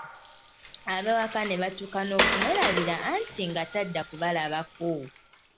Abaawaka ne batuuka n'okumwerabira anti nga tadda kubalabako.